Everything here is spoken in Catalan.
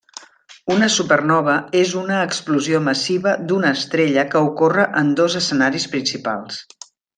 Una supernova és una explosió massiva d'una estrella que ocorre en dos escenaris principals.